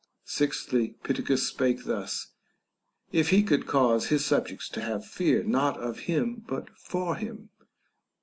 Sixthly, Pittacus spake thus, If he could cause his subjects to have fear not of him but for him.